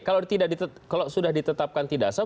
kalau sudah ditetapkan tidak sah